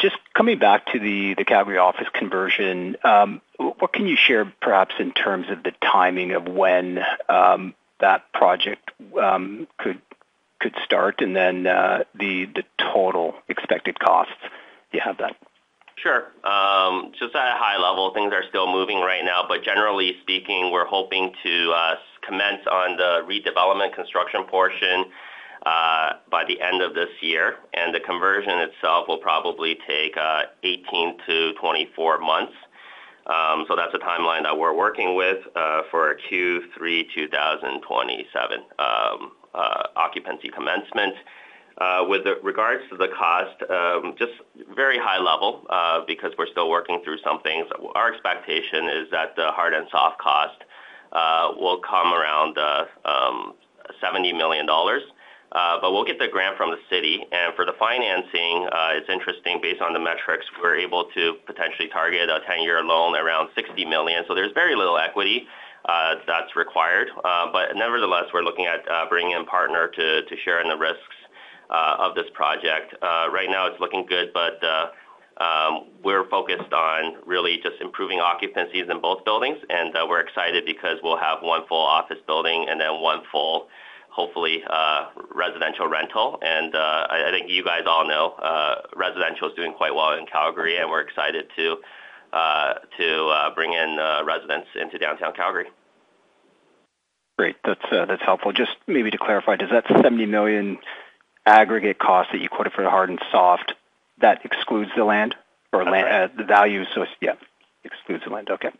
Speaker 9: Just coming back to the Calgary office conversion, what can you share perhaps in terms of the timing of when that project could start and then the total expected costs? You have that.
Speaker 4: Sure. Just at a high level, things are still moving right now. Generally speaking, we're hoping to commence on the redevelopment construction portion by the end of this year. The conversion itself will probably take 18-24 months. That is a timeline that we're working with for Q3 2027 occupancy commencement. With regards to the cost, just very high level because we're still working through some things. Our expectation is that the hard and soft cost will come around 70 million dollars. We'll get the grant from the city. For the financing, it's interesting based on the metrics, we're able to potentially target a 10-year loan around 60 million. There is very little equity that's required. Nevertheless, we're looking at bringing in a partner to share in the risks of this project. Right now, it's looking good, but we're focused on really just improving occupancies in both buildings. We're excited because we'll have one full office building and then one full, hopefully, residential rental. I think you guys all know residential is doing quite well in Calgary, and we're excited to bring in residents into downtown Calgary.
Speaker 9: Great. That's helpful. Just maybe to clarify, does that 70 million aggregate cost that you quoted for the hard and soft, that excludes the land or the value?
Speaker 4: Yes.
Speaker 9: Yeah. Excludes the land. Okay.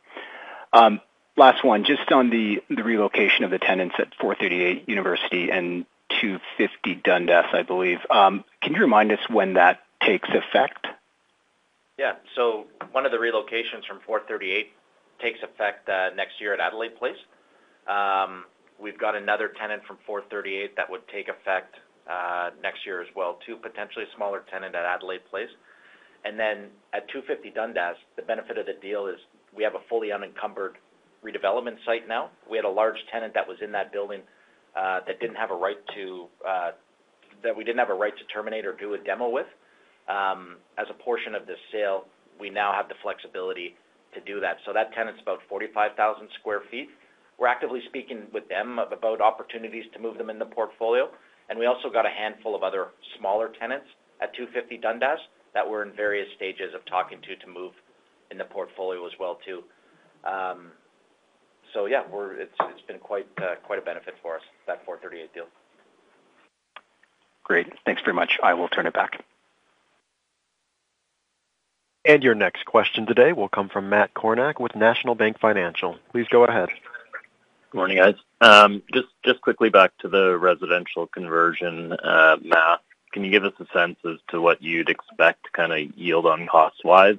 Speaker 9: Last one. Just on the relocation of the tenants at 438 University and 250 Dundas, I believe. Can you remind us when that takes effect?
Speaker 3: Yeah. One of the relocations from 438 takes effect next year at Adelaide Place. We've got another tenant from 438 that would take effect next year as well too, potentially a smaller tenant at Adelaide Place. At 250 Dundas, the benefit of the deal is we have a fully unencumbered redevelopment site now. We had a large tenant that was in that building that we didn't have a right to terminate or do a demo with. As a portion of the sale, we now have the flexibility to do that. That tenant's about 45,000 sq ft. We're actively speaking with them about opportunities to move them in the portfolio. We also got a handful of other smaller tenants at 250 Dundas that we're in various stages of talking to to move in the portfolio as well too. Yeah, it's been quite a benefit for us, that 438 deal.
Speaker 9: Great. Thanks very much. I will turn it back.
Speaker 1: Your next question today will come from Matt Kornack with National Bank Financial. Please go ahead.
Speaker 10: Good morning, guys. Just quickly back to the residential conversion math. Can you give us a sense as to what you'd expect kind of yield on cost-wise?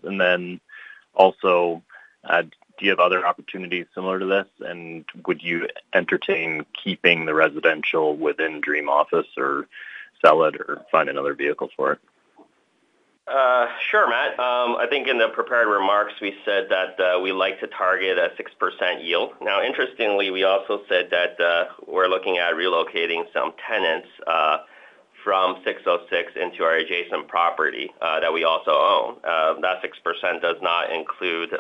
Speaker 10: Also, do you have other opportunities similar to this? Would you entertain keeping the residential within Dream Office or sell it or find another vehicle for it?
Speaker 4: Sure, Matt. I think in the prepared remarks, we said that we like to target a 6% yield. Now, interestingly, we also said that we're looking at relocating some tenants from 606 into our adjacent property that we also own. That 6% does not include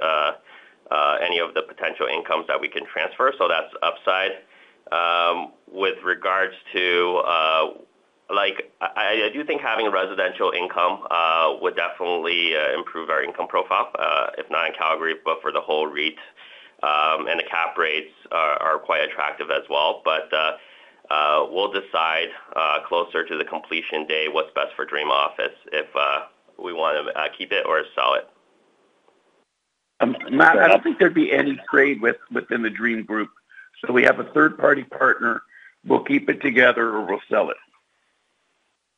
Speaker 4: any of the potential incomes that we can transfer. So that's upside. With regards to I do think having residential income would definitely improve our income profile, if not in Calgary, but for the whole REIT. And the cap rates are quite attractive as well. But we'll decide closer to the completion day what's best for Dream Office if we want to keep it or sell it.
Speaker 2: I don't think there'd be any trade within the Dream Group. We have a third-party partner. We'll keep it together or we'll sell it.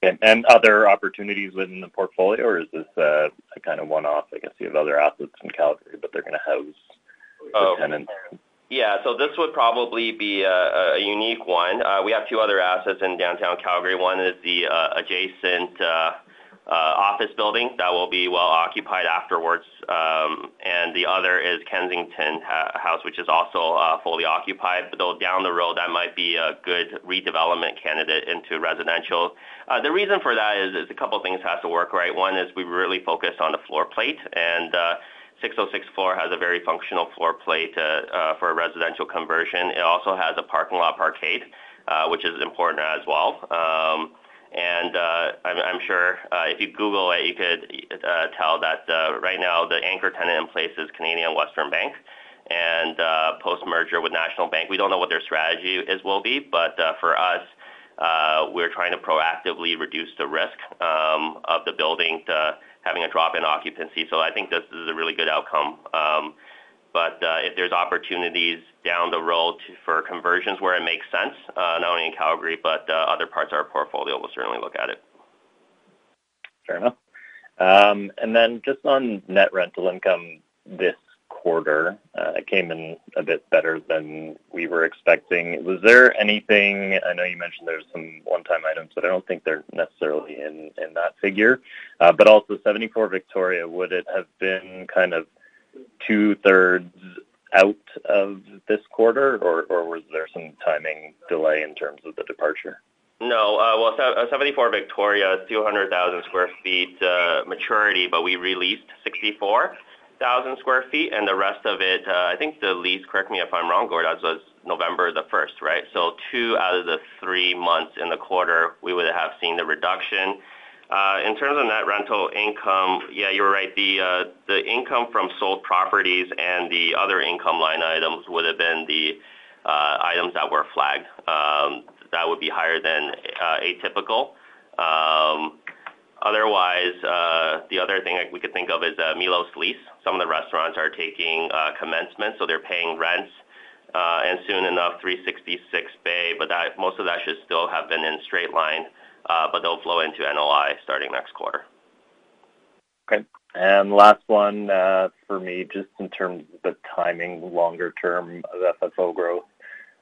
Speaker 10: Then other opportunities within the portfolio, or is this kind of one-off? I guess you have other assets in Calgary, but they're going to house tenants.
Speaker 4: Yeah. This would probably be a unique one. We have two other assets in downtown Calgary. One is the adjacent office building that will be well occupied afterwards. The other is Kensington House, which is also fully occupied. Down the road, that might be a good redevelopment candidate into residential. The reason for that is a couple of things have to work, right? One is we really focus on the floor plate. 606 Fourth has a very functional floor plate for a residential conversion. It also has a parking lot parkade, which is important as well. I'm sure if you Google it, you could tell that right now the anchor tenant in place is Canadian Western Bank and post-merger with National Bank. We do not know what their strategy will be, but for us, we are trying to proactively reduce the risk of the building having a drop in occupancy. I think this is a really good outcome. If there are opportunities down the road for conversions where it makes sense, not only in Calgary, but other parts of our portfolio, we will certainly look at it.
Speaker 10: Fair enough. Just on net rental income this quarter, it came in a bit better than we were expecting. Was there anything? I know you mentioned there's some one-time items, but I don't think they're necessarily in that figure. Also, 74 Victoria, would it have been kind of two-thirds out of this quarter, or was there some timing delay in terms of the departure?
Speaker 4: No. 74 Victoria, 200,000 sq ft maturity, but we released 64,000 sq ft. The rest of it, I think the lease, correct me if I'm wrong, Gordon, was November 1, right? Two out of the three months in the quarter, we would have seen the reduction. In terms of net rental income, yeah, you're right. The income from sold properties and the other income line items would have been the items that were flagged. That would be higher than a typical. Otherwise, the other thing we could think of is Milos' lease. Some of the restaurants are taking commencement, so they're paying rents. Soon enough, 366 Bay, but most of that should still have been in straight line, but they'll flow into NOI starting next quarter.
Speaker 10: Okay. Last one for me, just in terms of the timing, longer-term FFO growth.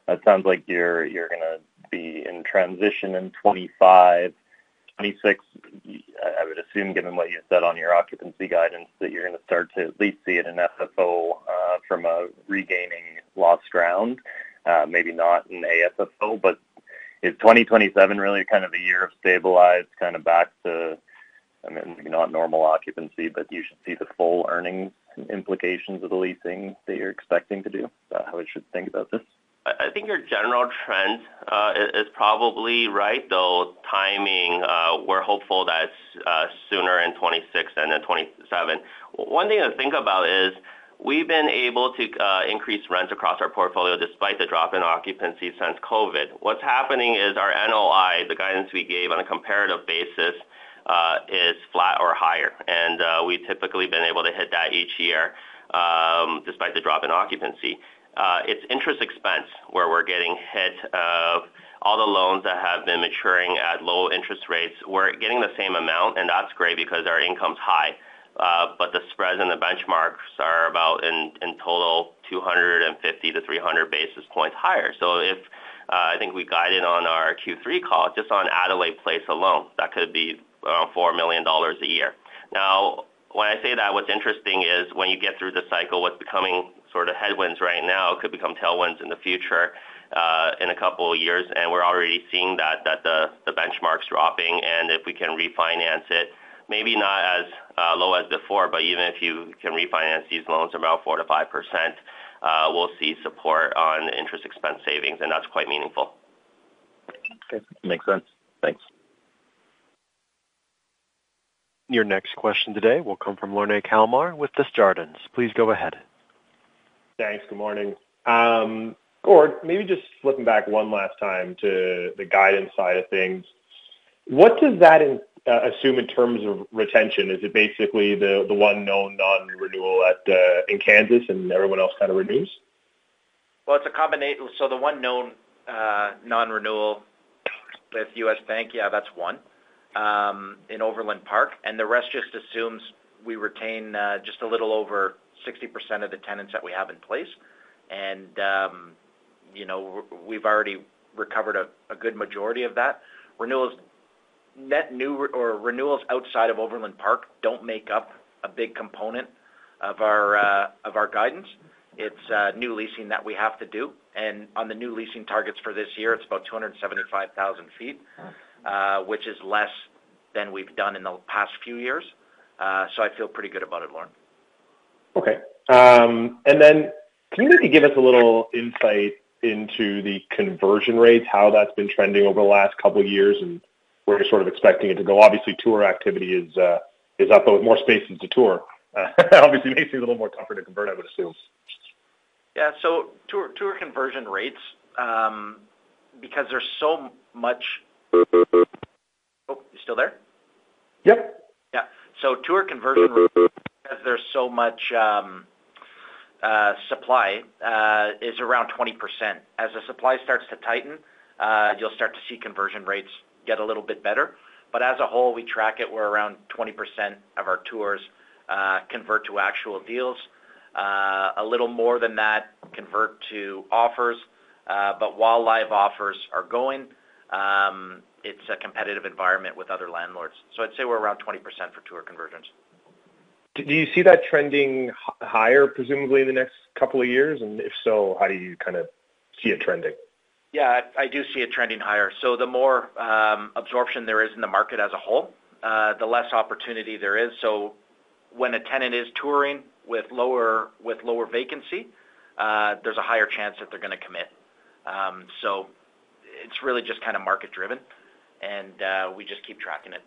Speaker 10: It sounds like you're going to be in transition in 2025, 2026. I would assume, given what you said on your occupancy guidance, that you're going to start to at least see it in FFO from a regaining lost ground. Maybe not in AFFO, but is 2027 really kind of a year of stabilized kind of back to, I mean, maybe not normal occupancy, but you should see the full earnings implications of the leasing that you're expecting to do? How should we think about this?
Speaker 4: I think your general trend is probably right, though timing. We're hopeful that sooner in 2026 and in 2027. One thing to think about is we've been able to increase rents across our portfolio despite the drop in occupancy since COVID. What's happening is our NOI, the guidance we gave on a comparative basis, is flat or higher. We've typically been able to hit that each year despite the drop in occupancy. It's interest expense where we're getting hit of all the loans that have been maturing at low interest rates. We're getting the same amount, and that's great because our income's high. The spreads and the benchmarks are about in total 250-300 basis points higher. If I think we guided on our Q3 call, just on Adelaide Place alone, that could be around 4 million dollars a year. Now, when I say that, what's interesting is when you get through the cycle, what's becoming sort of headwinds right now could become tailwinds in the future in a couple of years. We're already seeing that the benchmark's dropping. If we can refinance it, maybe not as low as before, but even if you can refinance these loans around 4-5%, we'll see support on interest expense savings, and that's quite meaningful.
Speaker 10: Okay. Makes sense. Thanks.
Speaker 1: Your next question today will come from Lorne Kalmar with Desjardins. Please go ahead.
Speaker 11: Thanks. Good morning. Gordon, maybe just flipping back one last time to the guidance side of things. What does that assume in terms of retention? Is it basically the one known non-renewal in Kansas and everyone else kind of renews?
Speaker 3: It's a combination. The one known non-renewal with U.S. Bank, yeah, that's one in Overland Park. The rest just assumes we retain just a little over 60% of the tenants that we have in place. We've already recovered a good majority of that. Renewals outside of Overland Park do not make up a big component of our guidance. It's new leasing that we have to do. On the new leasing targets for this year, it's about 275,000 sq ft, which is less than we've done in the past few years. I feel pretty good about it, Lorne.
Speaker 11: Okay. Can you maybe give us a little insight into the conversion rates, how that's been trending over the last couple of years, and where you're sort of expecting it to go? Obviously, tour activity is up, but with more spaces to tour, it may seem a little more tougher to convert, I would assume.
Speaker 3: Yeah. Tour conversion rates, because there's so much—oh, you still there?
Speaker 11: Yep.
Speaker 3: Yeah. Tour conversion, as there's so much supply, is around 20%. As the supply starts to tighten, you'll start to see conversion rates get a little bit better. As a whole, we track it where around 20% of our tours convert to actual deals. A little more than that convert to offers. While live offers are going, it's a competitive environment with other landlords. I'd say we're around 20% for tour conversions.
Speaker 11: Do you see that trending higher, presumably, in the next couple of years? If so, how do you kind of see it trending?
Speaker 3: Yeah. I do see it trending higher. The more absorption there is in the market as a whole, the less opportunity there is. When a tenant is touring with lower vacancy, there's a higher chance that they're going to commit. It's really just kind of market-driven, and we just keep tracking it.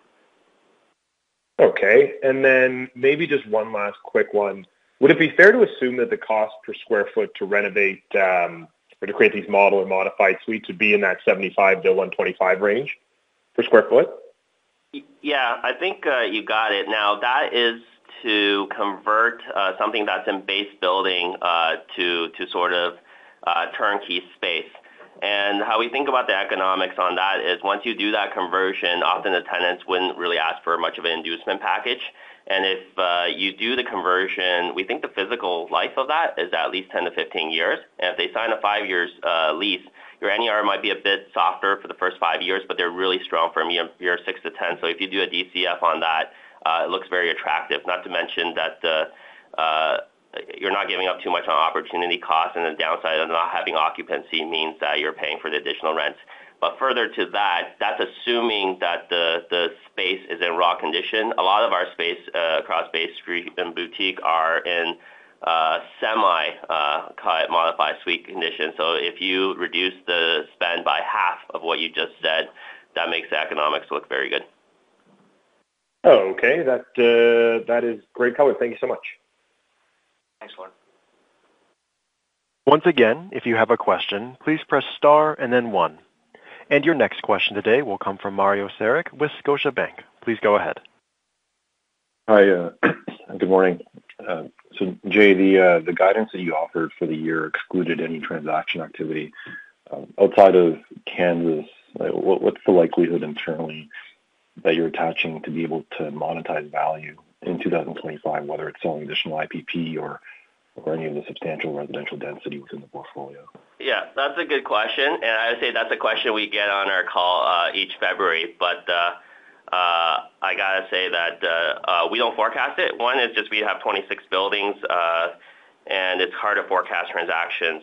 Speaker 3: Okay. Maybe just one last quick one. Would it be fair to assume that the cost per square foot to renovate or to create these model or modified suites would be in that 75-125 range per square foot?
Speaker 4: Yeah. I think you got it. Now, that is to convert something that's in base building to sort of turnkey space. How we think about the economics on that is once you do that conversion, often the tenants would not really ask for much of an inducement package. If you do the conversion, we think the physical life of that is at least 10-15 years. If they sign a five-year lease, your NER might be a bit softer for the first five years, but they are really strong from year six to ten. If you do a DCF on that, it looks very attractive. Not to mention that you are not giving up too much on opportunity cost. The downside of not having occupancy means that you are paying for the additional rents. Further to that, that is assuming that the space is in raw condition. A lot of our space across Bay Street and Boutique are in semi-modified suite condition. If you reduce the spend by half of what you just said, that makes the economics look very good.
Speaker 11: Okay. That is great coverage. Thank you so much.
Speaker 4: Thanks, Lorne.
Speaker 1: Once again, if you have a question, please press star and then one. Your next question today will come from Mario Saric with Scotiabank. Please go ahead.
Speaker 12: Hi. Good morning. Jay, the guidance that you offered for the year excluded any transaction activity. Outside of Kansas, what's the likelihood internally that you're attaching to be able to monetize value in 2025, whether it's selling additional IPP or any of the substantial residential density within the portfolio?
Speaker 4: Yeah. That's a good question. I would say that's a question we get on our call each February. I got to say that we don't forecast it. One is just we have 26 buildings, and it's hard to forecast transactions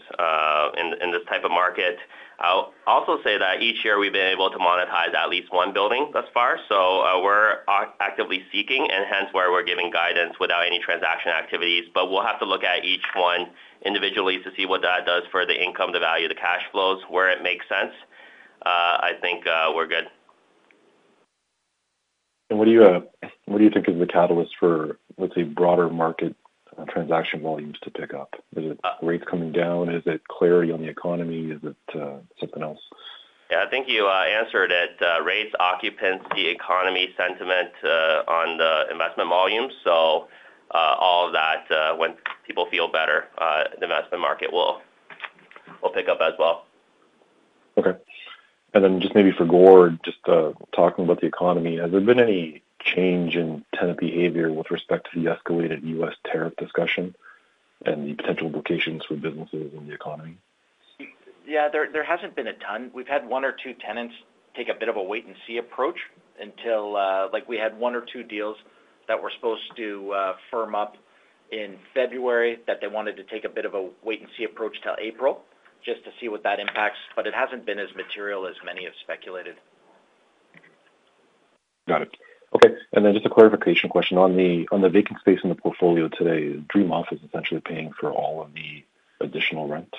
Speaker 4: in this type of market. I'll also say that each year we've been able to monetize at least one building thus far. We're actively seeking, and hence we're giving guidance without any transaction activities. We'll have to look at each one individually to see what that does for the income, the value, the cash flows, where it makes sense. I think we're good.
Speaker 12: What do you think is the catalyst for, let's say, broader market transaction volumes to pick up? Is it rates coming down? Is it clarity on the economy? Is it something else?
Speaker 4: Yeah. I think you answered it. Rates, occupancy, economy, sentiment on the investment volumes. All of that, when people feel better, the investment market will pick up as well.
Speaker 12: Okay. Just maybe for Gordon, just talking about the economy, has there been any change in tenant behavior with respect to the escalated US tariff discussion and the potential implications for businesses in the economy?
Speaker 3: Yeah. There has not been a ton. We have had one or two tenants take a bit of a wait-and-see approach until we had one or two deals that were supposed to firm up in February that they wanted to take a bit of a wait-and-see approach till April just to see what that impacts. It has not been as material as many have speculated.
Speaker 12: Got it. Okay. Just a clarification question on the vacant space in the portfolio today. Dream Office is essentially paying for all of the additional rent?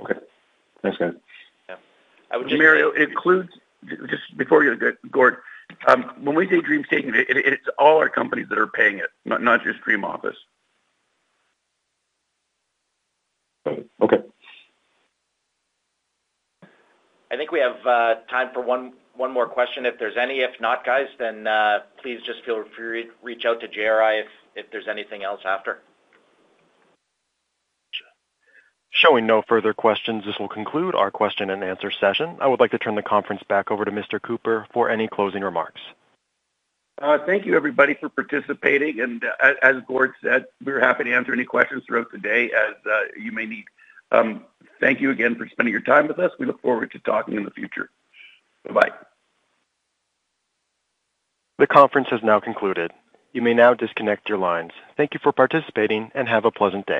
Speaker 12: Okay.Thanks, guys.
Speaker 3: Yeah I would just,
Speaker 2: Mario, it includes just before you go Gordon, when we say Dream is taking it, it's all our companies that are paying it, not just Dream Office.
Speaker 12: Got it. Okay.
Speaker 3: I think we have time for one more question, if there's any. If not, guys, then please just feel free to reach out to Jay Jiang if there's anything else after.
Speaker 1: Showing no further questions, this will conclude our question and answer session. I would like to turn the conference back over to Mr. Cooper for any closing remarks.
Speaker 2: Thank you, everybody, for participating. As Gordon said, we're happy to answer any questions throughout the day as you may need. Thank you again for spending your time with us. We look forward to talking in the future. Bye-bye.
Speaker 1: The conference has now concluded. You may now disconnect your lines. Thank you for participating and have a pleasant day.